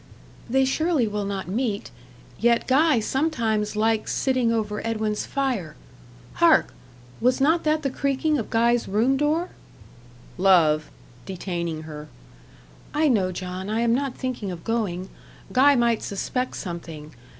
"They surely will not meet. Yet Guy sometimes likes sitting over Edwin's fire. Hark! was not that the creaking of Guy's room door?" "Love " detaining her. "I know, John. I am not thinking of going. Guy might suspect something.